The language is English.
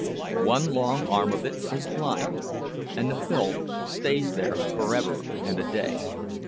One long arm of it is blind, and the filth stays there forever and a day.